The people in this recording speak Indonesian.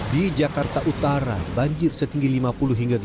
di jakarta utara banjir setinggi lima puluh hingga delapan meter